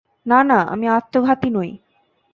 না, না, আমি আত্মঘাতী নই।